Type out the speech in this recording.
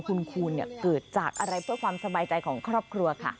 คุณคูณเกิดจากอะไรเพื่อความสบายใจของครอบครัวค่ะ